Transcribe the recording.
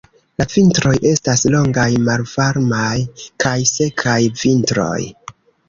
La vintroj estas longaj, malvarmaj kaj sekaj vintroj.